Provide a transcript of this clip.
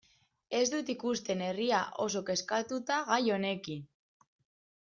Ez dut ikusten herria oso kezkatuta gai honekin.